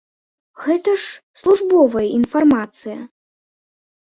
Гэта ж службовая інфармацыя.